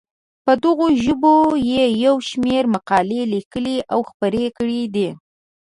په دغو ژبو یې یو شمېر مقالې لیکلي او خپرې کړې دي.